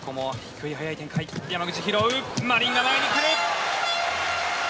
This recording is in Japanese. マリンが前に来る！